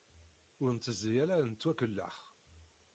Ur nettezzi ara ad nettwakellex.